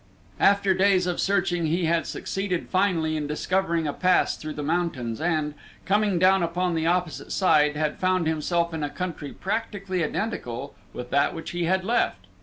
After days of searching he had succeeded finally in discovering a pass through the mountains and, coming down upon the opposite side, had found himself in a country practically identical with that which he had left.